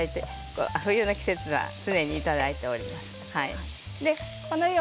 冬になると常にいただいております。